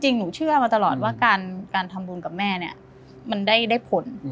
จริงหนูเชื่อมาตลอดว่าการทำบุญกับแม่มันได้ผล